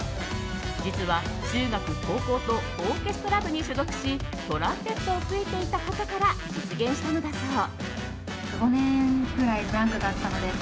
実は中学、高校とオーケストラ部に所属しトランペットを吹いていたことから実現したのだそう。